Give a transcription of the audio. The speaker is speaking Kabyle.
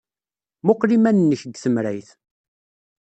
Mmuqqel iman-nnek deg temrayt.